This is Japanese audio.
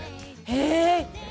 へえ！